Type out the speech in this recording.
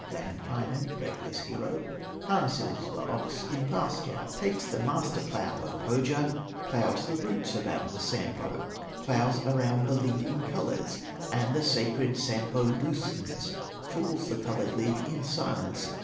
Lemminkainen, reckless hero, Harnesses the ox in pasture, Takes the master plow of Pohya, Plows the roots about the Sampo, Plows around the lid in colors, And the sacred Sampo loosens, Falls the colored lid in silence.